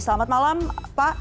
selamat malam pak